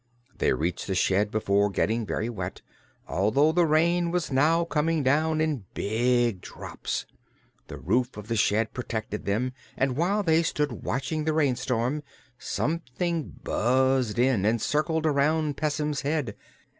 They reached the shed before getting very wet, although the rain was now coming down in big drops. The roof of the shed protected them and while they stood watching the rainstorm something buzzed in and circled around Pessim's head.